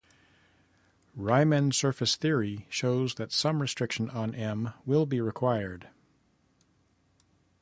Riemann surface theory shows that some restriction on "M" will be required.